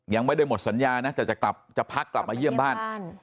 ยังไม่ได้หมดสัญญานะจะพักกลับมาเยี่ยมบ้าน